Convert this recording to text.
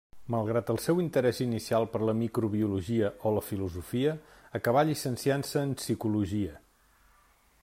Malgrat el seu interès inicial per la Microbiologia o la Filosofia, acabà llicenciant-se en Psicologia.